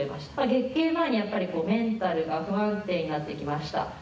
月経前にやっぱり、メンタルが不安定になってきました。